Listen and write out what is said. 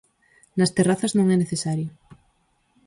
Nas terrazas non é necesario.